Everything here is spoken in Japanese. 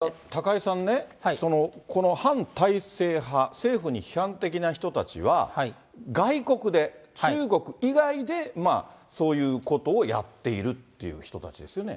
だから高井さんね、この反体制派、政府に批判的な人たちは、外国で、中国以外でそういうことをやっているっていう人たちですよね。